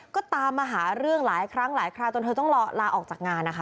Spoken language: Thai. ก็ตามมาหาเรื่องหลายครั้งหลายคราวจนเธอต้องลาออกจากงานนะคะ